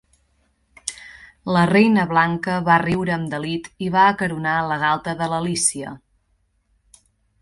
La Reina Blanca va riure amb delit i va acaronar la galta de l'Alícia.